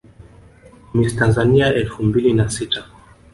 Miss Tanzania elfu mbili na sita